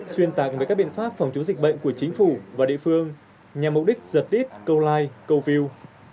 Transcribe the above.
xuyên tạc về các biện pháp phòng chống dịch bệnh của chính phủ và địa phương nhằm mục đích giật tiết câu like câu view